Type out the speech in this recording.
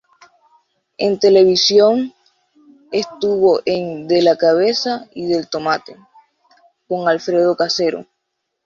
En televisión, estuvo en "De la cabeza" y "Del Tomate", con Alfredo Casero.